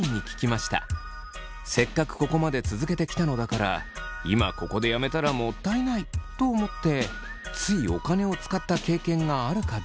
せっかくここまで続けてきたのだから今ここでやめたらもったいないと思ってついお金を使った経験があるかどうかです。